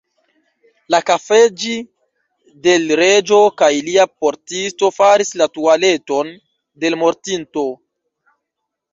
La _kafeĝi_ de l' Reĝo kaj lia portisto faris la tualeton de l' mortinto.